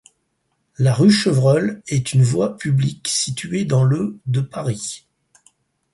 La rue Chevreul est une voie publique située dans le de Paris.